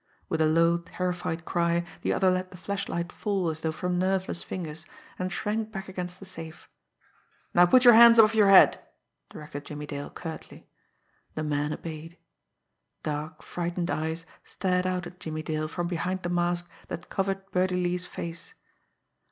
With a low, terrified cry, the other let the flashlight fall as though from nerveless fingers, and shrank back against the safe. "Now put your hands above your head!" directed Jimmie Dale curtly. The man obeyed. Dark, frightened eyes stared out at Jimmie Dale from behind the mask that covered Birdie Lee's face.